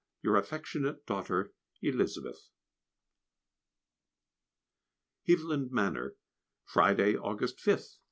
Your affectionate daughter, Elizabeth. Heaviland Manor, Friday, August 5th.